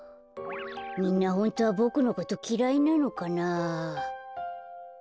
みんなホントはボクのこときらいなのかな。